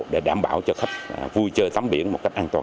để đảm bảo cho khách vui chơi tắm biển một cách an toàn